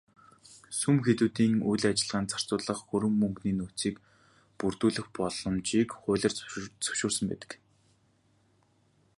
Сүм хийдүүдийн үйл ажиллагаандаа зарцуулах хөрөнгө мөнгөний нөөцийг бүрдүүлэх боломжийг хуулиар зөвшөөрсөн байдаг.